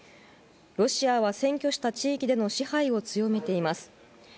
ロシアは占拠した地域での支配を強めています。